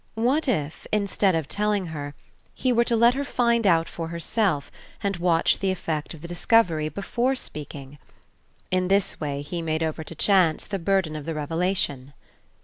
What if, instead of telling her, he were to let her find out for herself and watch the effect of the discovery before speaking? In this way he made over to chance the burden of the revelation.